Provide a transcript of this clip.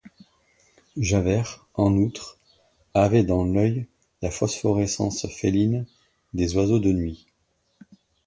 Javert, en outre, avait dans l’œil la phosphorescence féline des oiseaux de nuit.